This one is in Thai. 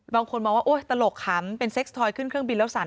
บางคนมองว่าโอ๊ยตลกขำเป็นเซ็กสทอยขึ้นเครื่องบินแล้วสั่น